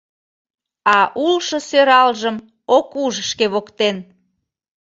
А улшо сӧралжым ок уж шке воктен.